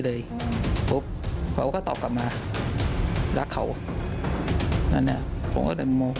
และกลายมากเธอ